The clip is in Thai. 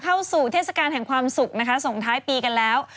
เข้าสู่เทศกาลแห่งความสุขส่งท้ายปีกันแล้ว